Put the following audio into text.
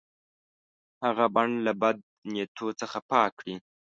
هغه بڼ له بد نیتو څخه پاک کړي.